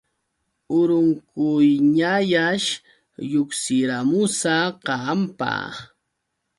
Urunquyhiñallash lluqsiramusa kahanpa.